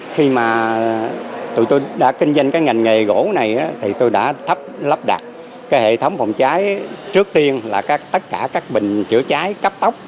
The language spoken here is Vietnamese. khi mà tụi tôi đã kinh doanh cái ngành nghề gỗ này thì tôi đã lắp đặt cái hệ thống phòng cháy trước tiên là tất cả các bình chữa cháy cấp tốc